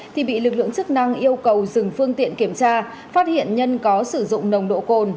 thì bị lực lượng chức năng yêu cầu dừng phương tiện kiểm tra phát hiện nhân có sử dụng nồng độ cồn